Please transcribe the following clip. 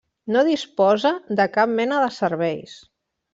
No disposa de cap mena de serveis.